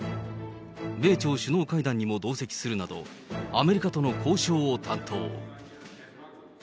米朝首脳会談にも同席するなど、アメリカとの交渉を担当。